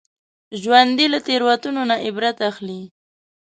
ژوندي له تېروتنو نه عبرت اخلي